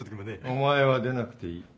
お前は出なくていい。